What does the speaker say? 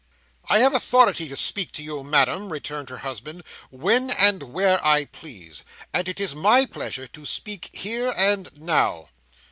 "I have authority to speak to you, Madam," returned her husband, "when and where I please; and it is my pleasure to speak here and now."